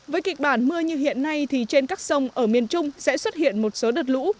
với kịch bản mưa như hiện nay thì trên các sông ở miền trung sẽ xuất hiện một số đợt lũ